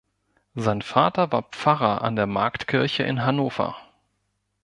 Sein Vater war Pfarrer an der Marktkirche in Hannover.